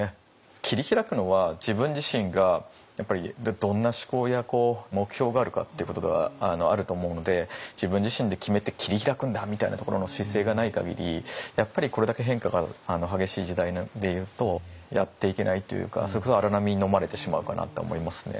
切り開くのは自分自身がやっぱりどんな志向や目標があるかっていうことがあると思うので自分自身で決めて切り開くんだみたいなところの姿勢がない限りこれだけ変化が激しい時代でいうとやっていけないというかそれこそ荒波にのまれてしまうかなとは思いますね。